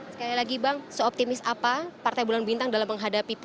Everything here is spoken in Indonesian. sekali lagi bang seoptimis apa partai bulan bintang dalam menghadapi pemilu